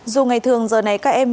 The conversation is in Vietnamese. dù ngày thường giờ này các em